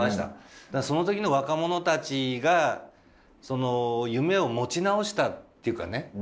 その時の若者たちがその夢を持ち直したっていうかね。